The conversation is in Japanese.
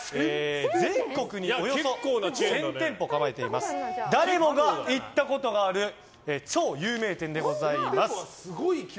全国におよそ１０００店舗を構えている誰もが行ったことがある超有名店でございます。